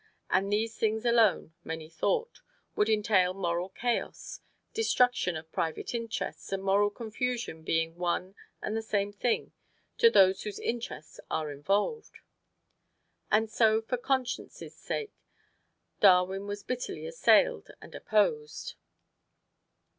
And these things done, many thought, would entail moral chaos, destruction of private interests and moral confusion being one and the same thing to those whose interests are involved. And so for conscience' sake, Darwin was bitterly assailed and opposed.